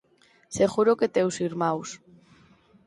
Seguro que teus irmáns.